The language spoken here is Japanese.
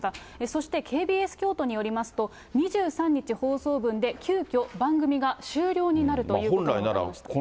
そしてＫＢＳ京都によりますと、２３日放送分で、急きょ、番組が終了になるということが分かりました。